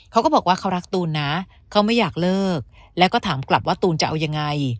เขาก็บอกว่าเขารักตูนนะเขาไม่อยากเลิกแล้วก็ถามกลับว่าตูนจะเอายังไง